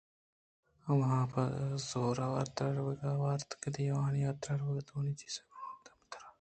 آوان ءَ پہ زور واتر روگ ءَ آورت ءُکدی آوانی حاترا ورگ ءُ وردنی چیزے گوں وت ءَہم برتاں